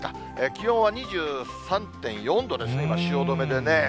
気温は２３．４度ですね、今汐留でね。